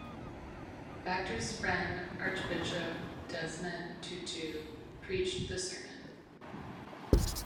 Baxter's friend Archbishop Desmond Tutu preached the sermon.